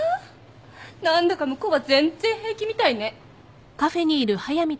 何だか向こうは全然平気みたいね。